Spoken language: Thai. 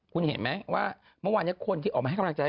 คุณเห็นไหมว่าเมื่อวานนี้คนที่ออกมาให้กำลังใจ